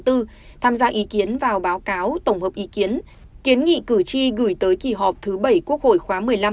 tham gia ý kiến vào báo cáo tổng hợp ý kiến kiến nghị cử tri gửi tới kỳ họp thứ bảy quốc hội khóa một mươi năm